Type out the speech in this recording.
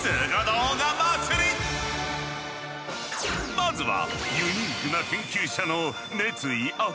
まずは。